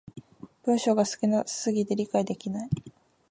文章が少な過ぎて理解できない